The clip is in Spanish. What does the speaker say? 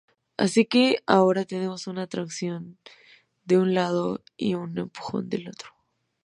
Así que ahora tenemos una atracción de un lado y un empujón del otro.